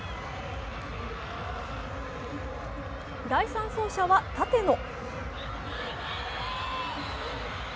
第３走者は舘野。